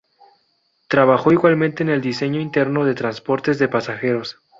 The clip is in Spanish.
Trabajó igualmente en el diseño interno de transportes de pasajeros.